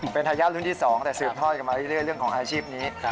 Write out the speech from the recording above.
เป็นทายาทรุ่นที่๒แต่สืบทอดกันมาเรื่อยเรื่องของอาชีพนี้